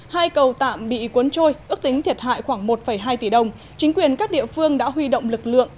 hai cầu tạm bị cuốn trôi ước tính thiệt hại khoảng một hai tỷ đồng chính quyền các địa phương đã huy động lực lượng